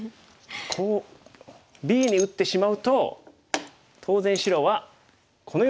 こうＢに打ってしまうと当然白はこのようにきますね。